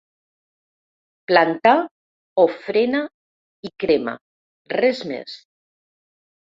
Plantà, ofrena i crema, res més.